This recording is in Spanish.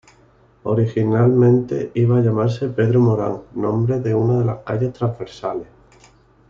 Originalmente iba a llamarse "Pedro Morán", nombre de una de las calles transversales.